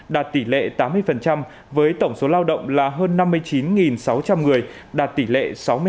đạt tỉ lệ tám mươi với tổng số lao động là hơn năm mươi chín sáu trăm linh người đạt tỉ lệ sáu mươi hai